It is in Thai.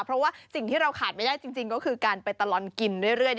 เพราะว่าการขาดไม่ได้ก็คือการไปตะลอนกิน